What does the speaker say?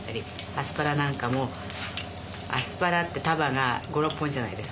アスパラなんかもアスパラって束が５６本じゃないですか。